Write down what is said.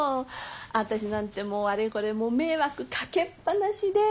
私なんてもうあれこれ迷惑かけっぱなしで。